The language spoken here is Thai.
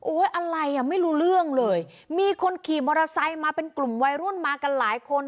อะไรอ่ะไม่รู้เรื่องเลยมีคนขี่มอเตอร์ไซค์มาเป็นกลุ่มวัยรุ่นมากันหลายคน